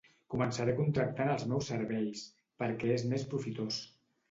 Començaré contractant els meus serveis, perquè és més profitós.